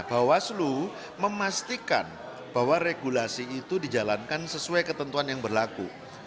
bawaslu memastikan bahwa regulasi itu dijalankan sesuai ketentuan yang berlaku